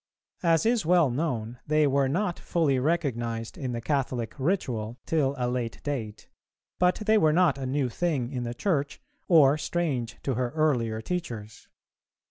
As is well known, they were not fully recognized in the Catholic ritual till a late date, but they were not a new thing in the Church, or strange to her earlier teachers.